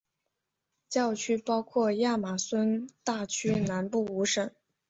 教区包括亚马孙大区南部五省。